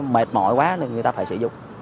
mệt mỏi quá người ta phải sử dụng